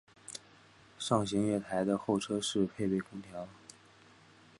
上行月台的候车室配备空调。